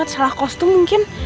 salah kostum mungkin